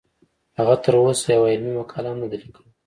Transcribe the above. هغه تر اوسه یوه علمي مقاله هم نه ده لیکلې